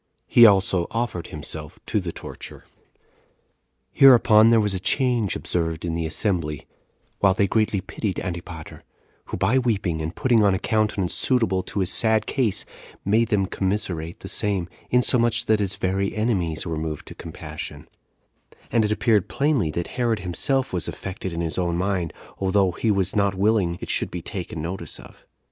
He also offered himself to the torture. 5. Hereupon there was a change observed in the assembly, while they greatly pitied Antipater, who by weeping and putting on a countenance suitable to his sad case made them commiserate the same, insomuch that his very enemies were moved to compassion; and it appeared plainly that Herod himself was affected in his own mind, although he was not willing it should be taken notice of.